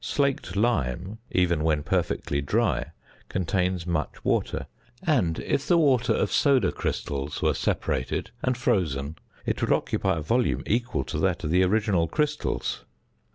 Slaked lime, even when perfectly dry, contains much water; and if the water of soda crystals were separated and frozen, it would occupy a volume equal to that of the original crystals.